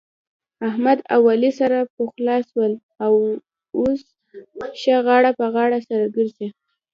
احمد اوعلي سره پخلا سول. اوس ښه غاړه په غاړه سره ګرځي.